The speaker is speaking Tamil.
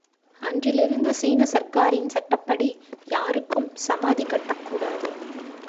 அன்றிலிருந்த சீன சர்க்காரின் சட்டப்படி யாருக்கும் சமாதி கட்டக்கூடாது.